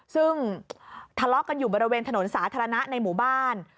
ซึ่งทะเลาะกันอยู่บริเวณถนนสาธารณะในหมู่บ้าน